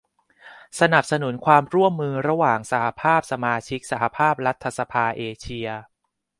สนับสนุนความร่วมมือระหว่างสหภาพสมาชิกสหภาพรัฐสภาเอเชีย